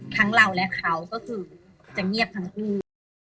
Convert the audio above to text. เราและเขาก็คือจะเงียบทั้งคู่